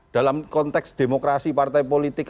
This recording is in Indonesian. dalam konteks demokrasi partai politik